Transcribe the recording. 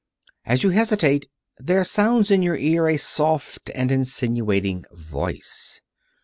As you hesitate there sounds in your ear a soft and insinuating Voice.